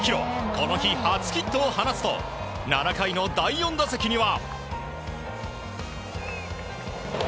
この日、初ヒットを放つと７回の第４打席には。